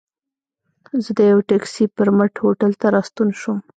زه د یوه ټکسي پر مټ هوټل ته راستون شوم.